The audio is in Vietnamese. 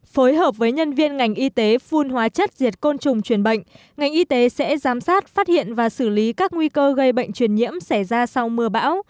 phối hợp với nhân viên ngành y tế phun hóa chất diệt côn trùng truyền bệnh ngành y tế sẽ giám sát phát hiện và xử lý các nguy cơ gây bệnh truyền nhiễm xảy ra sau mưa bão